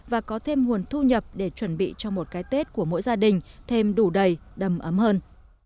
và có thêm nguồn thu nhập để chuẩn bị cho một cái tết của mỗi gia đình thêm đủ đầy đầm ấm hơn